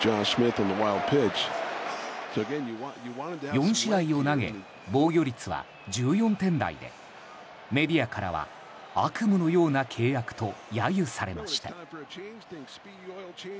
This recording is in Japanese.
４試合を投げ防御率は１４点台でメディアからは悪夢のような契約と揶揄されました。